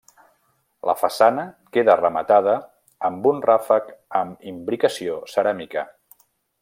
La façana queda rematada amb un ràfec amb imbricació ceràmica.